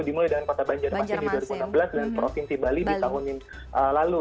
dimulai dengan kota banjarmasin di dua ribu enam belas dan provinsi bali di tahun ini lalu